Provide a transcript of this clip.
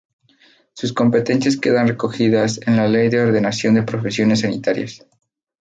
Sus competencias quedan recogidas en la Ley de Ordenación de Profesiones Sanitarias.